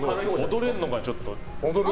踊れるのか、ちょっと。